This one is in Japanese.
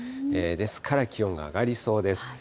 ですから気温が上がりそうです。